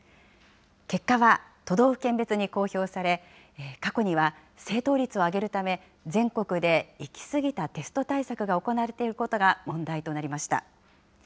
結果は都道府県別に公表され、過去には正答率を上げるため、全国で行き過ぎたテスト対策が行われていることが問題となりました。